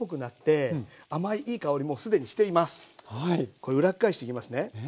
これ裏返していきますね。